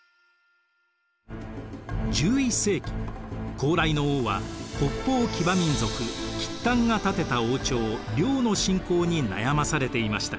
高麗の王は北方騎馬民族契丹が建てた王朝遼の侵攻に悩まされていました。